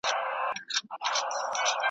هره شپه له بېخوبۍ څخه کباب سو .